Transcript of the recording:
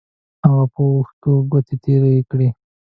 هغه په وښکیو ګوتې تېرې کړې.